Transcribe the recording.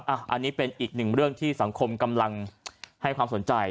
อันนี้เป็นอีกหนึ่งเรื่องที่สังคมกำลังให้ความสนใจ